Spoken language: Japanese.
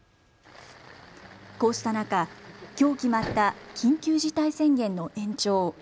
こうした中、きょう決まった緊急事態宣言の延長。